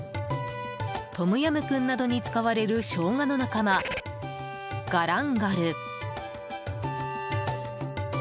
トムヤムクンなどに使われるショウガの仲間、ガランガル。